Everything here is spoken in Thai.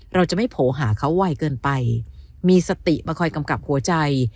เราจะไม่โผล่หาเขาไวเกินไปมีสติมาคอยกำกับหัวใจ